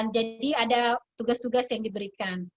jadi ada tugas tugas yang diberikan